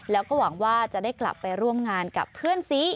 แล้วก็หวังว่าจะได้กลับไปร่วมงานกับเพื่อนซี